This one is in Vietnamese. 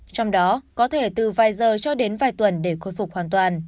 trong đó có thể từ vài giờ cho đến vài tuần để khôi phục hoàn toàn